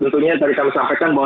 tentunya tadi kami sampaikan bahwa